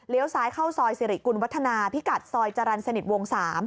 ซ้ายเข้าซอยสิริกุลวัฒนาพิกัดซอยจรรย์สนิทวง๓